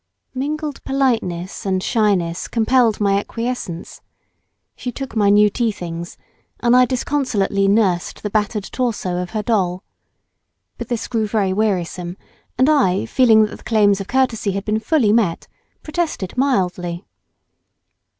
Mingled politeness and shyness compelled my acquiescence. She took my new tea things, and I disconsolately nursed the battered torso of her doll. But this grew very wearisome, and I, feeling satisfied that the claims of courtesy had been fully met, protested mildly.